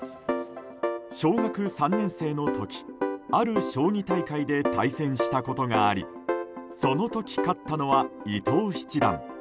小学３年生の時、ある将棋大会で対戦したことがありその時、勝ったのは伊藤七段。